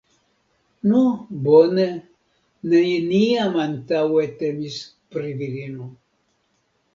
Nu, bone, neniam antaŭe temis pri virino.